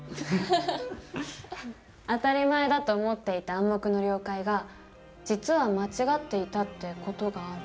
当たり前だと思っていた「暗黙の了解」が実は間違っていたっていう事がある。